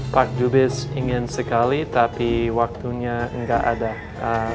pak dubes ingin sekali tapi waktunya enggak ada